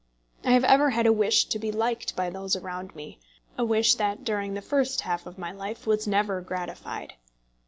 I have ever had a wish to be liked by those around me, a wish that during the first half of my life was never gratified.